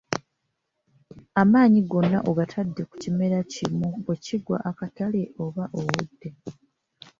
Amaanyi gonna ogatadde ku kimera kimu bwe kigwa akatale oba owedde.